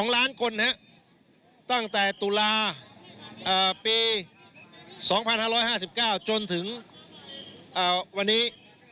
๒ล้านคนตั้งแต่ตุลาปี๒๕๕๙จนถึงวันนี้